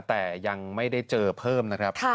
แต่ยังไม่ได้เจอเพิ่มนะครับ